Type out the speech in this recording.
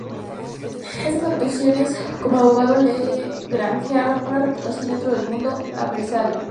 Estas actuaciones como abogado le granjearon una reputación dentro del mundo "abertzale".